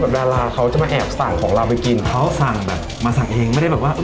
ดาราเขาจะมาแอบสั่งของเราไปกินเขาสั่งแบบมาสั่งเองไม่ได้แบบว่า